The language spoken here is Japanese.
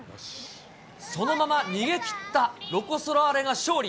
そのまま逃げ切ったロコ・ソラーレが勝利。